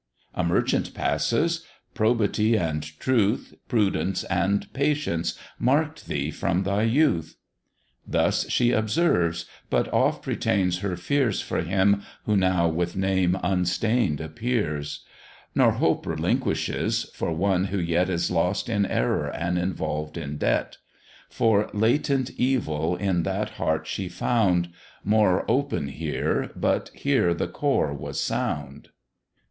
A Merchant passes, "Probity and truth, Prudence and patience, mark'd thee from thy youth." Thus she observes, but oft retains her fears For him, who now with name unstain'd appears: Nor hope relinquishes, for one who yet Is lost in error and involved in debt; For latent evil in that heart she found, More open here, but here the core was sound.